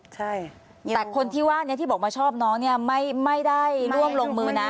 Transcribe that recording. แต่คนที่ว่าที่บอกมาชอบน้องไม่ได้ร่วมลงมือนะ